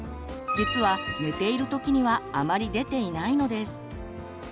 実は寝ているときにはあまり出ていないのです。